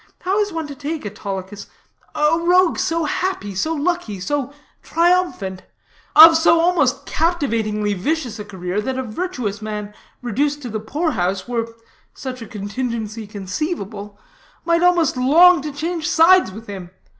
How is one to take Autolycus? A rogue so happy, so lucky, so triumphant, of so almost captivatingly vicious a career that a virtuous man reduced to the poor house (were such a contingency conceivable), might almost long to change sides with him.